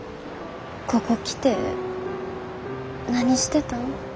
ここ来て何してたん？